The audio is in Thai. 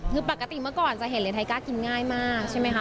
คือปกติเมื่อก่อนจะเห็นเหรียญไทก้ากินง่ายมากใช่ไหมคะ